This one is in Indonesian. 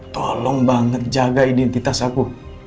tolong banget jaga identitas aku